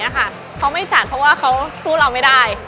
เขาไม่จัดเพราะว่าเขาสู้เราไม่ได้